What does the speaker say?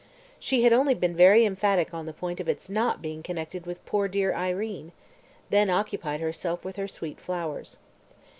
She had only been very emphatic on the point of its not being connected with poor dear Irene, and then occupied herself with her sweet flowers.